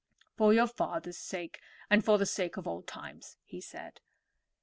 "For your father's sake, and for the sake of old times," he said.